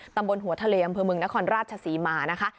ตำบลหัวทะเลอำเภอเมืองนครราชศรีมานะคะ